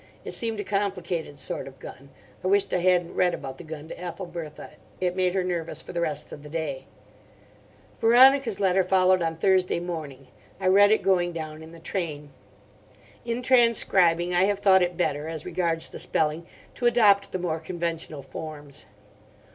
It seemed a complicated sort of gun. I wished I hadn't read about the gun to Ethelbertha. It made her nervous for the rest of the day. Veronica's letter followed on Thursday morning. I read it going down in the train. In transcribing I have thought it better, as regards the spelling, to adopt the more conventional forms.